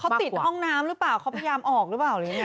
เขาติดห้องน้ำหรือเปล่าเขาพยายามออกหรือเปล่า